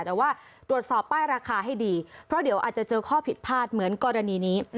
แต่ว่าตรวจสอบป้ายราคาให้ดีเพราะเดี๋ยวอาจจะเจอข้อผิดพลาดเหมือนกรณีนี้